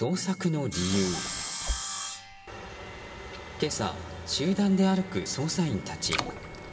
今朝、集団で歩く捜査員たち。